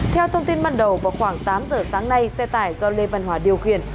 theo thông tin ban đầu vào khoảng tám giờ sáng nay xe tải do lê văn hòa điều khiển